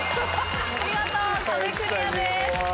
見事壁クリアです。